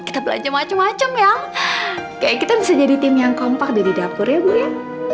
kita belajar macem macem ya kayak kita bisa jadi tim yang kompak dari dapur ya bu ya